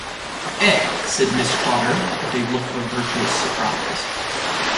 ‘Eh!’ said Mr. Trotter, with a look of virtuous surprise.